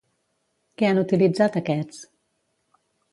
Què han utilitzat aquests?